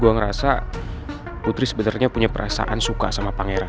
gue ngerasa putri sebenarnya punya perasaan suka sama pangeran